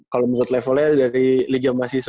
kalau menurut levelnya dari liga mahasiswa